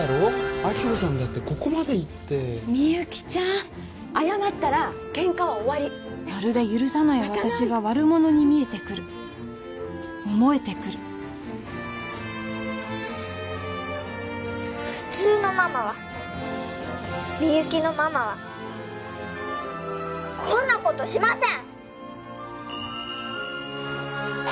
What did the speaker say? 亜希子さんだってここまで言ってみゆきちゃん謝ったらケンカは終わりまるで許さない私が悪者に見えてくる思えてくる普通のママはみゆきのママはこんなことしません！